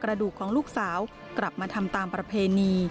กระดูกของลูกสาวกลับมาทำตามประเพณี